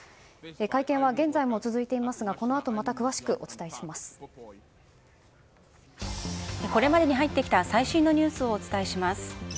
会見は現在も続いていますがこのあと、また詳しくこれまでに入ってきた最新のニュースをお伝えします。